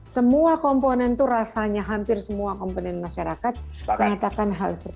semua komponen itu rasanya hampir semua komponen masyarakat menyatakan hal tersebut